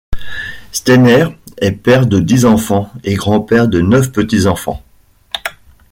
Steiner est père de dix enfants et grand-père de neuf petits-enfants.